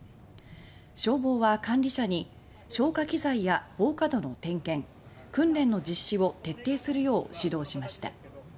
消防は管理者に消火機材や防火戸の点検、訓練の実施を徹底するよう指導しました。